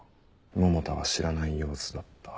百田は知らない様子だった。